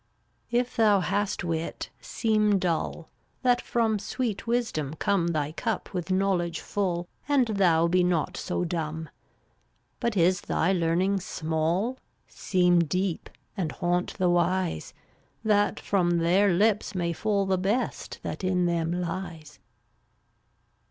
326 If thou hast wit, seem dull, That from sweet Wisdom come Thy cup with knowledge full, And thou be not so dumb. But is thy learning small, Seem deep, and haunt the wise, That from their lips may fall The best that in them lies.